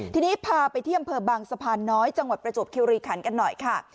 ทีนี้พาไปที่อำเภอบางสะพานน้อยจังหวัดประจวบคิวรีคันกันหน่อยค่ะ